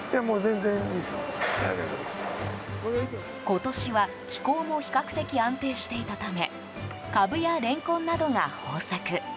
今年は気候も比較的安定していたためカブやレンコンなどが豊作。